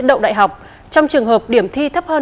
đậu đại học trong trường hợp điểm thi thấp hơn